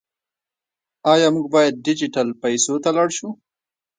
آیا موږ باید ډیجیټل پیسو ته لاړ شو؟